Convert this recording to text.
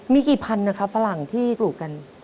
มีกี่พันนะครับฝรั่งที่ปลูกกัน